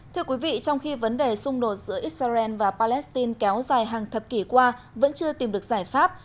thưa quý vị trong khi vấn đề xung đột giữa israel và palestine kéo dài hàng thập kỷ qua vẫn chưa tìm được giải pháp